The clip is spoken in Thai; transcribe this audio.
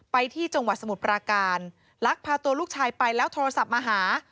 ไปที่จังหวัดสมุทรปราการลักพาตัวลูกชายไปแล้วโทรศัพท์มาหา